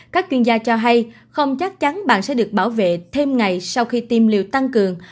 các chuyên gia cho hay không chắc chắn bạn sẽ được bảo vệ thêm ngày sau khi tiêm liều tăng cường